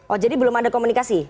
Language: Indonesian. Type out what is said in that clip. oh jadi belum ada komunikasi